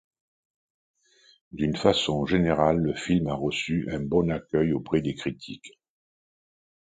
D'une façon générale le film a reçu un bon accueil auprès des critiques.